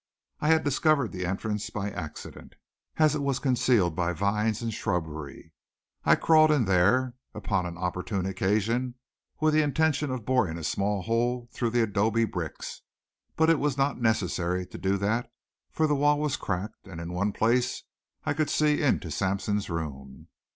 I had discovered the entrance by accident, as it was concealed by vines and shrubbery. I crawled in there, upon an opportune occasion, with the intention of boring a small hole through the adobe bricks. But it was not necessary to do that, for the wall was cracked; and in one place I could see into Sampson's room.